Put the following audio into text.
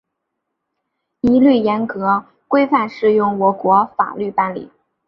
一律严格、规范适用我国法律办理